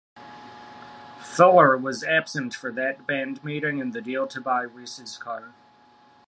Fuller was absent for that band meeting and the deal to buy Reese's car.